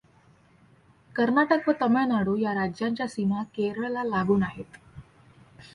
कर्नाटक व तमिळनाडू या राज्यांच्या सीमा केरळला लागून आहेत.